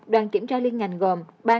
đoàn kiểm tra liên ngành gồm